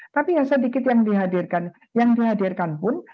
tapi yang sedikit yang dihadirkan pun